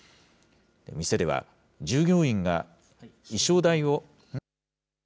店では、従業員が衣装代を。